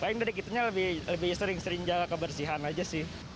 paling dari kitanya lebih sering sering jaga kebersihan aja sih